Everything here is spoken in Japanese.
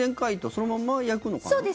そのまま焼くのかな？